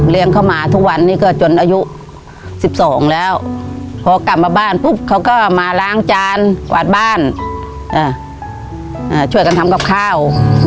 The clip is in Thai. เข้ามาทุกวันนี้ก็จนอายุ๑๒แล้วพอกลับมาบ้านปุ๊บเขาก็มาล้างจานกวาดบ้านช่วยกันทำกับข้าว